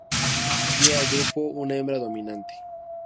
Guía al grupo una hembra dominante.